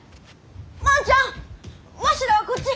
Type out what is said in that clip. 万ちゃんわしらはこっち！